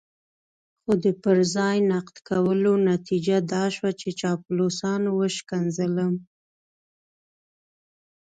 خو د پر ځای نقد کولو نتيجه دا شوه چې چاپلوسانو وشکنځلم.